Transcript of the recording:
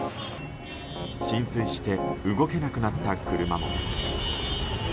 浸水して動けなくなった車も。